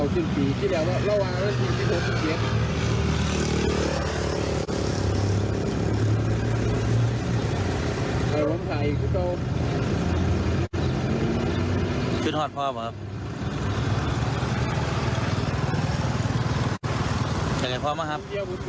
จะเห็นพ่อไหมครับ